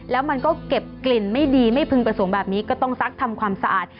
แล้วมันก็เก็บกลิ่นไม่ดีไม่พึงประสงค์แบบนี้ก็ต้องซักทำความสะอาด